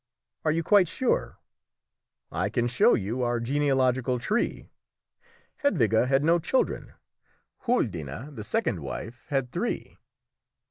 "Are you quite sure?" "I can show you our genealogical tree; Hedwige had no children; Huldine, the second wife, had three."